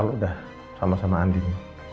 udah sama sama andin